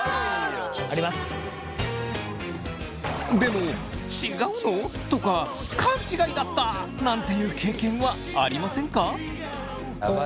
でも「違うの？」とか「勘違いだった！」なんていう経験はありませんか？